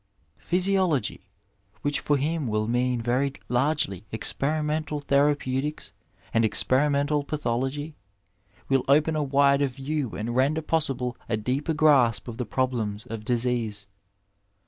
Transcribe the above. Physiology, which for him will mean very largely ex perimental therapeutics and experimental pathology, will open a wider view and render possible a deeper grasp of the problems of disease.